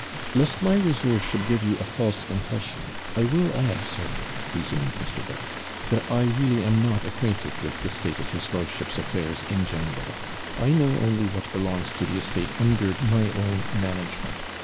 'Lest my reserve should give you a false impression, I will add, sir,' resumed Mr. Burke, 'that I really am not acquainted with the state of his lordship's affairs in general. I know only what belongs to the estate under my own management.